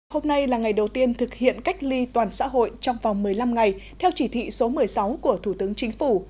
hôm nay là ngày đầu tiên thực hiện cách ly toàn xã hội trong vòng một mươi năm ngày theo chỉ thị số một mươi sáu của thủ tướng chính phủ